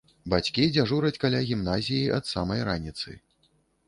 Бацькі дзяжураць каля гімназіі ад самай раніцы.